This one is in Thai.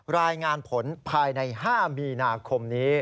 รายงานผลภายใน๕มีนาคมนี้